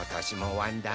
わんだー